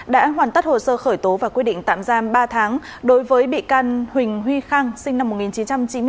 đã hoàn tất hồ sơ khởi tố và quyết định tạm giam ba tháng đối với bị can huỳnh huy khang sinh năm một nghìn chín trăm chín mươi bốn